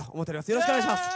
よろしくお願いします。